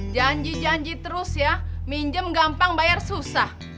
janji janji terus ya minjem gampang bayar susah